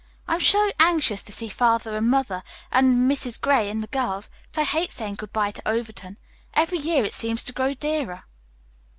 I am so anxious to see Father and Mother and Mrs. Gray and the girls, but I hate saying good bye to Overton. Every year it seems to grow dearer."